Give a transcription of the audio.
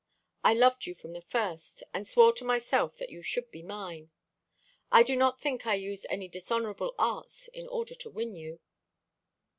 I loved you from the first, and swore to myself that you should be mine. I do not think I used any dishonourable arts in order to win you."